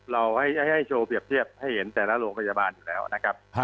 เราให้โชว์เปรียบเทียบให้เห็นแต่ละโรงพยาบาลอยู่แล้วนะครับ